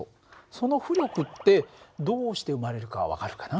その浮力ってどうして生まれるかは分かるかな？